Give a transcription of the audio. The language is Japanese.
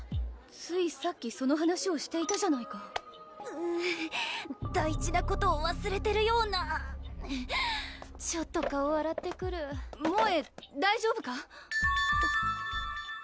ついさっきその話をしていたじゃないかう大事なことをわすれてるようなちょっと顔あらってくるもえ大丈夫か？